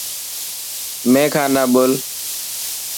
مين کان نه ٻول.